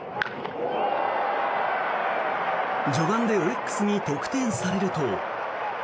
序盤でオリックスに得点されると。